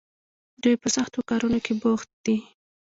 دوی په سختو کارونو کې بوخت دي.